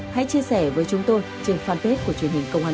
hãy chia sẻ với chúng tôi trên fanpage của truyền hình công an nhân dân